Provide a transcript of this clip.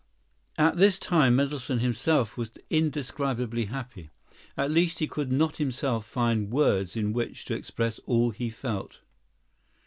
At this time Mendelssohn himself was indescribably happy. At least, he could not himself find words in which to express all he felt.